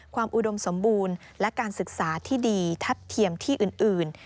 อุดมสมบูรณ์และการศึกษาที่ดีทัดเทียมที่อื่น